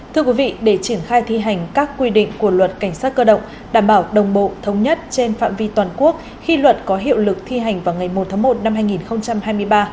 thưa quý vị để triển khai thi hành các quy định của luật cảnh sát cơ động đảm bảo đồng bộ thống nhất trên phạm vi toàn quốc khi luật có hiệu lực thi hành vào ngày một tháng một năm hai nghìn hai mươi ba